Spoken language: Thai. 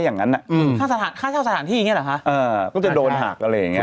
อย่างนั้นอ่ะอืมค่าสถานค่าเช่าสถานที่อย่างเงี้เหรอคะเออก็จะโดนหักอะไรอย่างเงี้